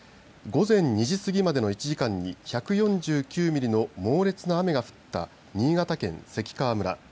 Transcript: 午前２時過ぎまでの１時間に１４９ミリの猛烈な雨が降った新潟県関川村。